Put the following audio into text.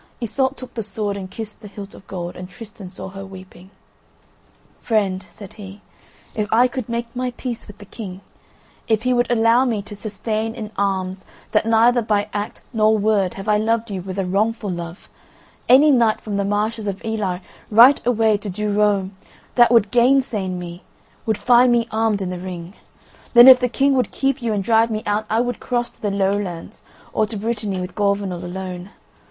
Iseult took the sword, and kissed the hilt of gold, and Tristan saw her weeping. "Friend," said he, "if I could make my peace with the King; if he would allow me to sustain in arms that neither by act nor word have I loved you with a wrongful love, any knight from the Marshes of Ely right away to Dureaume that would gainsay me, would find me armed in the ring. Then if the King would keep you and drive me out I would cross to the Lowlands or to Brittany with Gorvenal alone.